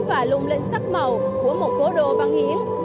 và lung linh sắc màu của một cố đô văn hiến